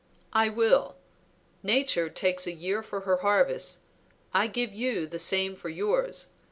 "I will. Nature takes a year for her harvests; I give you the same for yours.